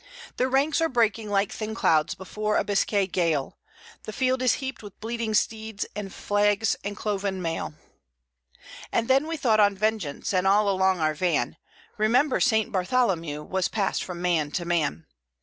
Their ranks are breaking like thin clouds before a Biscay gale; The field is heaped with bleeding steeds, and flags, and cloven mail; And then we thought on vengeance, and all along our van 'Remember St. Bartholomew' was passed from man to man.